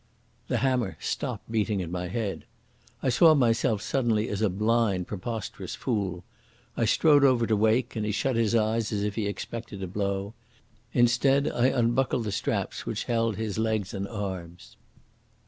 The hammer stopped beating in my head. I saw myself suddenly as a blind, preposterous fool. I strode over to Wake, and he shut his eyes as if he expected a blow. Instead I unbuckled the straps which held his legs and arms.